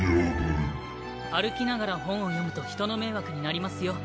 歩きながら本を読むと人の迷惑になりますよ。